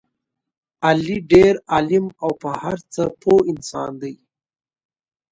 علي ډېر عالم او په هر څه پوه انسان دی.